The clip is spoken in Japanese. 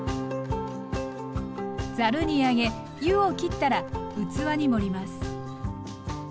ざるにあげ湯を切ったら器に盛ります。